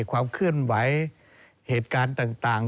ความเคลื่อนไหวเหตุการณ์ต่าง